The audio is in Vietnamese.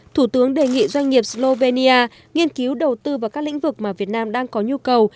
thủ tướng đề nghị doanh nghiệp slovenia nghiên cứu đầu tư vào các lĩnh vực mà việt nam đang có nhu cầu